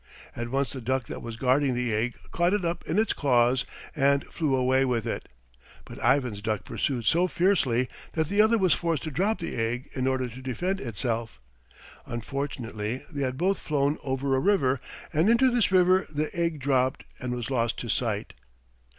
At once the duck that was guarding the egg caught it up in its claws and flew away with it. But Ivan's duck pursued so fiercely that the other was forced to drop the egg in order to defend itself. Unfortunately they had both flown over a river, and into this river the egg dropped and was lost to sight.